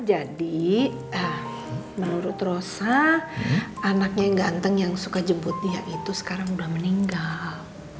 jadi menurut rosa anaknya yang ganteng yang suka jemput dia itu sekarang udah meninggal